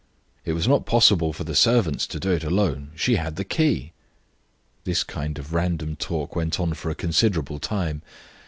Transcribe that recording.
"It was not possible for the servants to do it alone; she had the key." This kind of random talk went on for a considerable time.